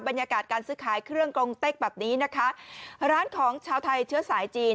บรรยากาศการซื้อขายเครื่องกรงเต็กแบบนี้นะคะร้านของชาวไทยเชื้อสายจีน